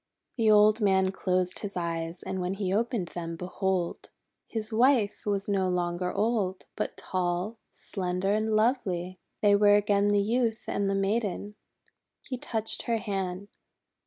The old man closed his eyes, and when he opened them, behold! his wife was no longer old, but tall, slender, and lovely! They were again the Youth and the Maiden! He touched her hand.